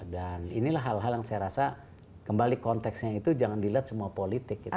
dan inilah hal hal yang saya rasa kembali konteksnya itu jangan dilihat semua politik